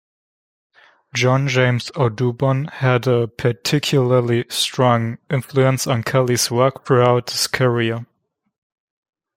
John James Audubon had a particularly strong influence on Kelly's work throughout his career.